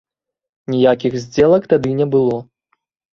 Ніякіх здзелак тады не было!